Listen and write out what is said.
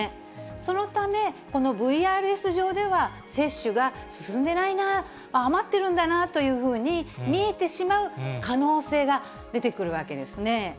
そのため、このＶＲＳ上では、接種が進んでないな、余っているんだなというふうに見えてしまう可能性が出てくるわけですね。